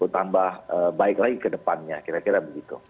tambah baik lagi ke depannya kira kira begitu